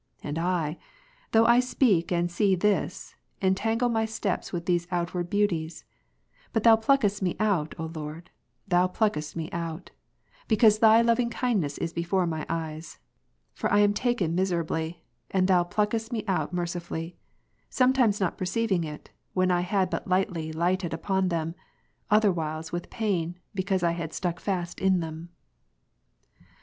And I, though I speak and see this, en tangle my steps with these outward beauties ; but Thou pluckest me out, O Lord, Thou pluckest me out ; because Ps. 26, 3. Thy loving kindness is be/ore my eyes. For I am taken miserably, and Thou pluckest me out mercifvilly; some times not perceiving it, when I had but lightly lighted upon them ; otherwhiles with pain, because I had stuck fast in them.